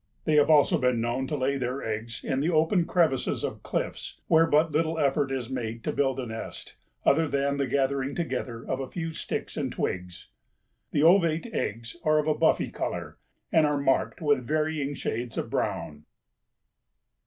They have also been known to lay their eggs in the open crevices of cliffs where but little effort is made to build a nest other than the gathering together of a few sticks and twigs. The ovate eggs are of a buffy color and are marked with varying shades of brown.